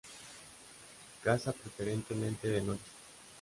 Caza preferentemente de noche.